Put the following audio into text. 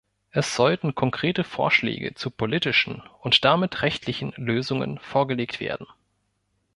Es sollten konkrete Vorschläge zu politischen und damit rechtlichen Lösungen vorgelegt werden.